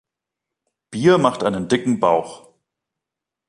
Bier macht einen dicken Bauch